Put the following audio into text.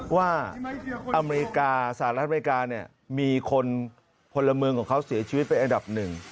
ว่าอเมริกาสหรัฐอเมริกาเนี่ยมีคนพลเมืองของเขาเสียชีวิตไปอันดับหนึ่ง